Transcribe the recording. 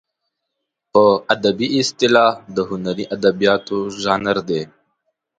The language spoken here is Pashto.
په ادبي اصطلاح د هنري ادبیاتو ژانر دی.